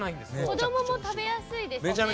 子供も食べやすいですよね。